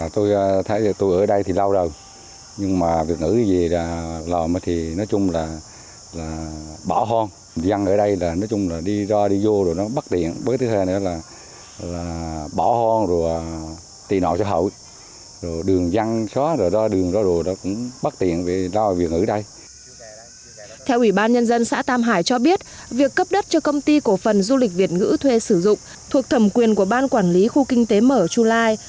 theo ủy ban nhân dân xã tam hải cho biết việc cấp đất cho công ty cổ phần du lịch việt ngữ thuê sử dụng thuộc thẩm quyền của ban quản lý khu kinh tế mở chu lai